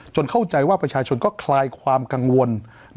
เข้าใจว่าประชาชนก็คลายความกังวล